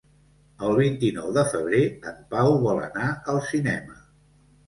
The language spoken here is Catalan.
El vint-i-nou de febrer en Pau vol anar al cinema.